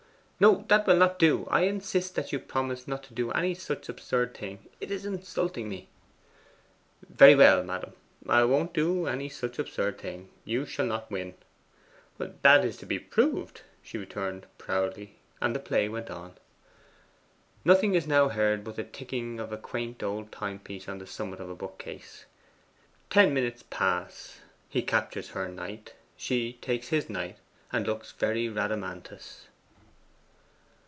'No, that will not do; I insist that you promise not to do any such absurd thing. It is insulting me!' 'Very well, madam. I won't do any such absurd thing. You shall not win.' 'That is to be proved!' she returned proudly; and the play went on. Nothing is now heard but the ticking of a quaint old timepiece on the summit of a bookcase. Ten minutes pass; he captures her knight; she takes his knight, and looks a very Rhadamanthus.